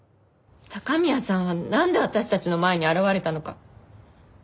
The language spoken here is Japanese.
高宮さんはなんで私たちの前に現れたのか。